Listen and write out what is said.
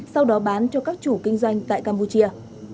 sau đó bán cho các chủ kinh doanh tại campuchia